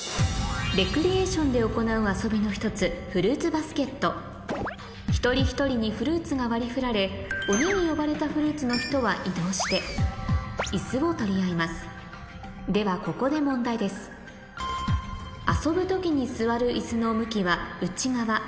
レクリエーションで行う遊びの１つ一人一人にフルーツが割り振られ鬼に呼ばれたフルーツの人は移動して椅子を取り合いますではここで問題ですえっ。